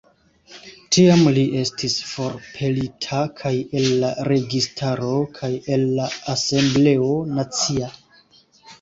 Tiam li estis forpelita kaj el la registaro kaj el la asembleo nacia.